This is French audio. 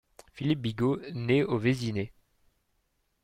Philippe Bigot naît au Vésinet.